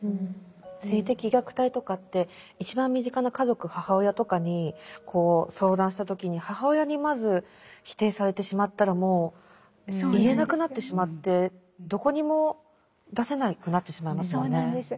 性的虐待とかって一番身近な家族母親とかに相談した時に母親にまず否定されてしまったらもう言えなくなってしまってどこにも出せなくなってしまいますよね。